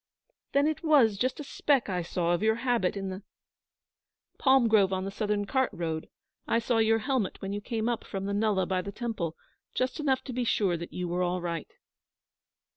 'Then it was just a speck I saw of your habit in the ' 'Palm grove on the Southern cart road. I saw your helmet when you came up from the nullah by the temple just enough to be sure that you were all right.